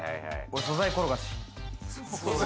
素材転がし。